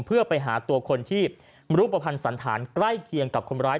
เพื่อไปหาผีตัวคนที่รูปอบพันธ์ศัลทน์ใกล้เคียงกับคนมร้าย